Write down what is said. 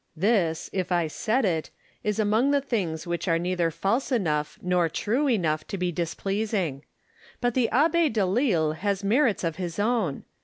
This, if I said it, is among the things which are neither false enough nor true enough to be displeasing. But the Abb6 Delille has merits of his own.